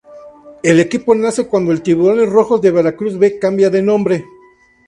El equipo nace cuando el Tiburones Rojos de Veracruz B cambia de nombre.